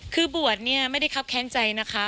คือบวชเนี่ยไม่ได้ครับแค้นใจนะคะ